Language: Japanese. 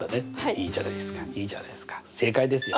いいじゃないですかいいじゃないですか正解ですよ。